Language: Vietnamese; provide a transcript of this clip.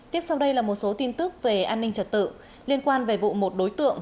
tiếp sau đây là một số tin tức về an ninh trật tự liên quan về vụ một đối tượng